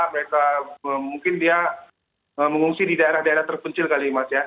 mereka mungkin dia mengungsi di daerah daerah terpencil kali mas ya